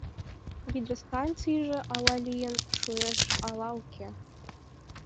Гидростанцийже ала лийын шуэш, ала уке...